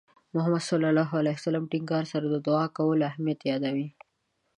محمد صلى الله عليه وسلم د ټینګار سره د دُعا کولو اهمیت یاداوه.